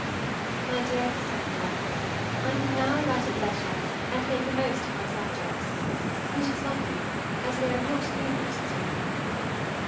MY DEAR CASSANDRA, I can now write at leisure and make the most of my subjects, which is lucky, as they are not numerous this week.